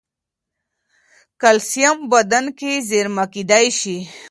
کلسیم بدن کې زېرمه کېدای شي.